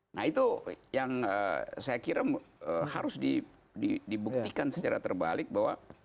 nah itu yang saya kira harus dibuktikan secara terbalik bahwa